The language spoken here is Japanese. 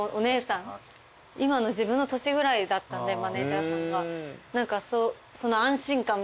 今の自分の年ぐらいだったんでマネジャーさんが。